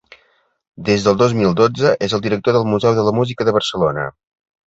Des del dos mil dotze és el director del Museu de la Música de Barcelona.